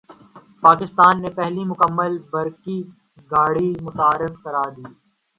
پاکستان نے پہلی مکمل برقی گاڑی متعارف کرادی